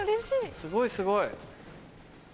すごいすごい。